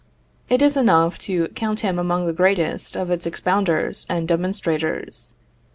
It is enough to count him among the greatest of its expounders and demonstrators.